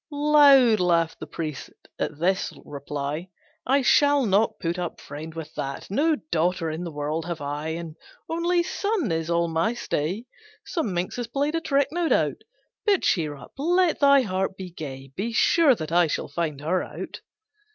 Loud laughed the priest at this reply, "I shall not put up, friend, with that; No daughter in the world have I, An only son is all my stay; Some minx has played a trick, no doubt, But cheer up, let thy heart be gay. Be sure that I shall find her out."